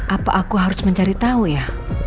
apa aku harus mencari tahu ya